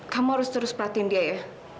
kamu harus terus perhatiin dia ya